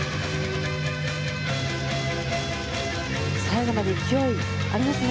最後まで勢いありますね。